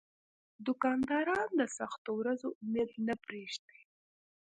دوکاندار د سختو ورځو امید نه پرېږدي.